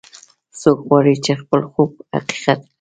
څوک غواړي چې خپل خوب حقیقت کړي